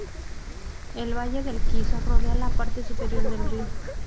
El valle del Kiso rodea la parte superior del río.